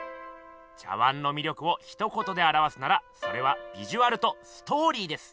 茶碗のみ力をひと言であらわすならそれは「ビジュアル」と「ストーリー」です。